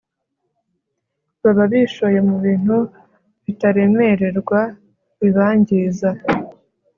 baba bishoye mu bintu bataremererwa bibangiza